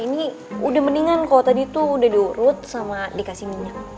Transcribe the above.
ini udah mendingan kalau tadi tuh udah diurut sama dikasih minyak